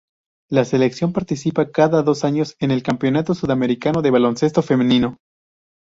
La selección participa cada dos años en el Campeonato Sudamericano de Baloncesto Femenino.